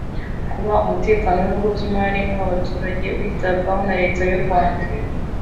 Kuba Umutekano w’ibigo by’imari n’uw’abaturage witabwaho na Leta y’u Rwanda